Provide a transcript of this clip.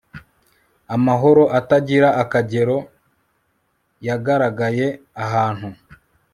Amahoro atagira akagero yagaragaye ahantu